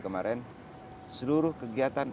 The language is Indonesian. kemarin seluruh kegiatan